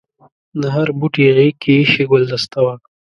د هر بوټي غېږ کې ایښي ګلدسته وه.